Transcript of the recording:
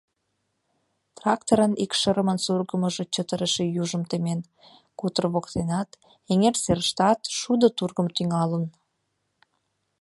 Тракторын икшырымын сургымыжо чытырыше южым темен – кутыр воктенат, эҥер серыштат шудо тургым тӱҥалын.